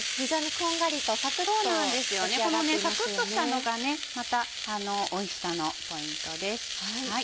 このサクっとしたのがまたおいしさのポイントです。